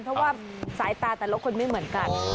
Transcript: เพราะว่าสายตาแต่ละคนไม่เหมือนกัน